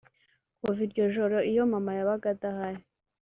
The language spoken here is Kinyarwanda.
Kuva iryo ijoro iyo mama yabaga adahari